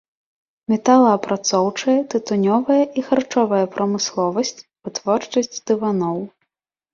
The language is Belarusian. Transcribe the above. Металаапрацоўчая, тытунёвая і харчовая прамысловасць, вытворчасць дываноў.